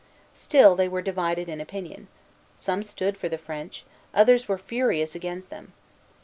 Still they were divided in opinion. Some stood firm for the French; others were furious against them.